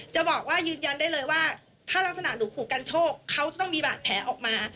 จะบอกว่ายืนยันได้เลยว่าถ้ารักษณะหนูถูกกันโชคเขาจะต้องมีบาดแผลออกมา